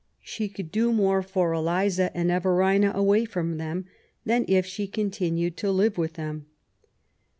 She could do more for Eliza and Everina away from them, than if she continued to live with them.